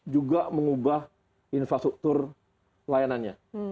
juga mengubah infrastruktur layanannya